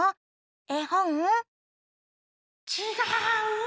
えほん？ちがう。